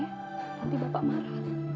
nanti bapak marah